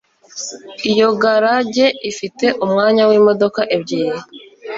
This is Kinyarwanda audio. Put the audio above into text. Iyo garage ifite umwanya wimodoka ebyiri